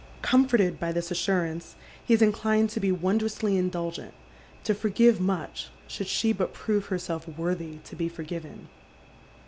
Comforted by tliis assurance he is inclined to be wondrously indulgent, to forgive much, should she but prove herself worthy to be forgiven.